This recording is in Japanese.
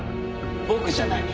僕じゃない。